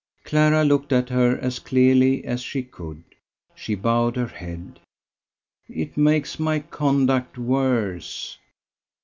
Clara looked at her as clearly as she could. She bowed her head. "It makes my conduct worse!"